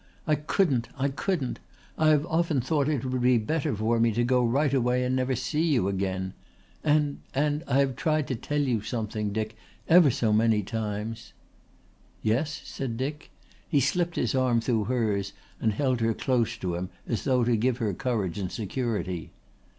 I couldn't, I couldn't! I have often thought it would be better for me to go right away and never see you again. And and I have tried to tell you something, Dick, ever so many times." "Yes?" said Dick. He slipped his arm through hers and held her close to him, as though to give her courage and security.